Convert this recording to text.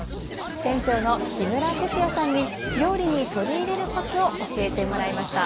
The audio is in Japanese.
店長の木村哲也さんに料理に取り入れるコツを教えてもらいました。